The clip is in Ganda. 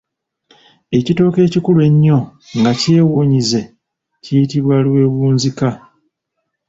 Ekitooke ekikula ennyo nga kyewunyize kiyitibwa lwewunzika.